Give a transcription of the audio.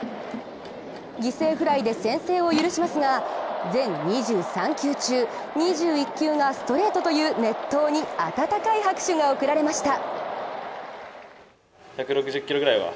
犠牲フライで先制を許しますが、全２３球中２１球がストレートという熱闘に温かい拍手が送られました。